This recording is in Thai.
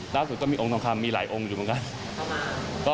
ก็มีองค์ทองคำมีหลายองค์อยู่เหมือนกัน